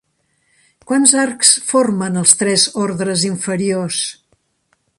Quants arcs formen els tres ordres inferiors?